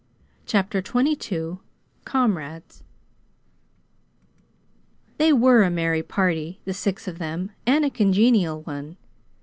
CHAPTER XXII COMRADES They were a merry party the six of them and a congenial one.